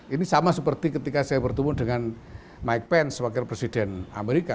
ini sama seperti ketika saya bertemu dengan mike pence wakil presiden amerika